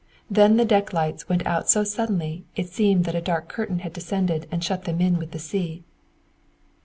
Then the deck lights went out so suddenly it seemed that a dark curtain had descended and shut them in with the sea.